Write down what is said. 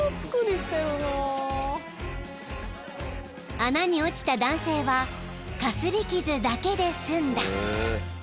［穴に落ちた男性はかすり傷だけで済んだ］